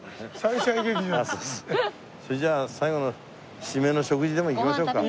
それじゃ最後の締めの食事でも行きましょうか。